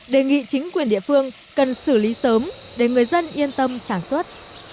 đề nghị chính quyền địa phương cần xử lý sớm để người dân yên tâm sản xuất